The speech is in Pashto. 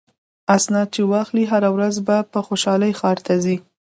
اسناد چې واخلي هره ورځ په خوشحالۍ ښار ته ځي.